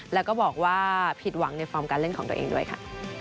แล้วก็บอกว่าผิดหวังในฟอร์มการเล่นของตัวเองด้วยค่ะ